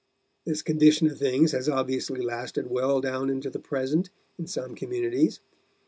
This condition of things has obviously lasted well down into the present in some communities.